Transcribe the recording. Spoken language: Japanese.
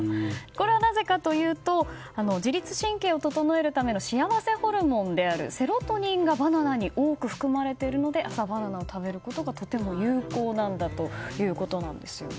これは、なぜかというと自律神経を整えるための幸せホルモンであるセロトニンがバナナに多く含まれているので朝バナナを食べることがとても有効なんだということです。